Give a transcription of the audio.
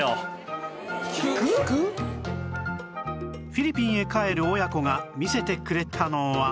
フィリピンへ帰る親子が見せてくれたのは